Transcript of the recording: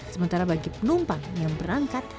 sementara bagi penumpang yang berangkat